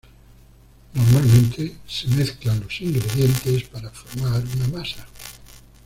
Normalmente se mezclan los ingredientes para formar una masa.